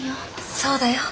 そうだよ。